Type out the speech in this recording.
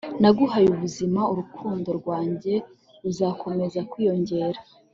naguhaye ubuzima, urukundo rwanjye ruzakomeza kwiyongera